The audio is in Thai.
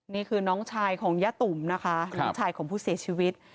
นี่คือน้องชายของยะตุ๋มนะคะลูกชายของผู้เสียชีวิต